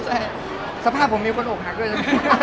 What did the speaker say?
โอ้ยไม่โอบหักหรอกสภาพผมมีคนโอบหักด้วย